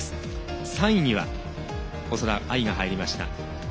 ３位には細田あいが入りました。